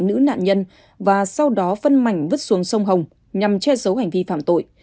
nữ nạn nhân và sau đó phân mảnh vứt xuống sông hồng nhằm che giấu hành vi phạm tội